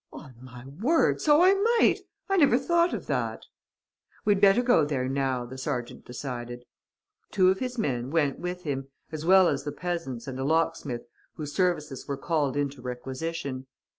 "On my word, so I might! I never thought of that." "We'd better go there now," the sergeant decided. Two of his men went with him, as well as the peasants and a locksmith whose services were called into requisition.